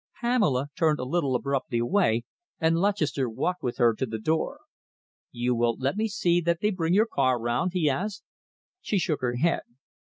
Pamela turned a little abruptly away, and Lutchester walked with her to the door. "You will let me see that they bring your car round?" he asked. She shook her head.